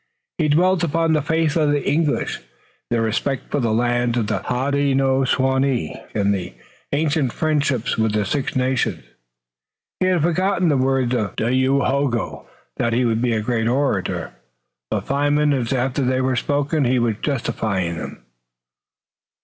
He dwelt upon the faith of the English, their respect for the lands of the Hodenosaunee and the ancient friendship with the Six Nations. He had forgotten the words of Dayohogo that he would be a great orator, but five minutes after they were spoken he was justifying them.